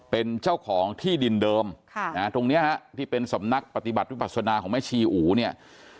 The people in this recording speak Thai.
เป็นเจ้าของที่ดินเดิมตรงเนี้ยฮะที่เป็นสำนักปฏิบัติวิปัสนาของแม่ชีอูเนี่ย